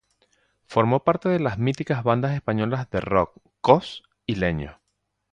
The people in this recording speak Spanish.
Formó parte de las míticas bandas españolas de rock Coz y Leño.